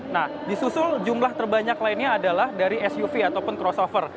nah disusul jumlah terbanyak lainnya adalah dari suv ataupun crosofer